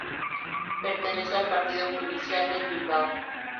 Pertenece al partido judicial de Bilbao.